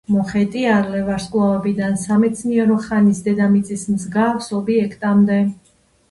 მოხეტიალე ვარსკვლავებიდან სამეცნიერო ხანის დედამიწის მსგავს ობიექტებამდე.